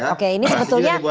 oke ini sebetulnya